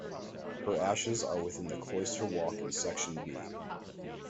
Her ashes are within the Cloister Walk in section B.